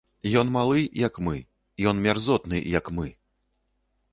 Ён малы, як мы, ён мярзотны, як мы!